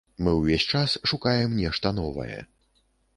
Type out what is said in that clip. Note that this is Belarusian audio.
Мы ўвесь час шукаем нешта новае.